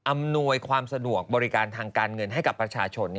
อำนวยความสะดวกบริการทางการเงินให้กับประชาชน